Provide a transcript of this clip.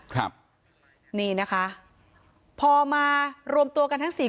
ครับนี่นะคะพอมารวมตัวกันทั้งสี่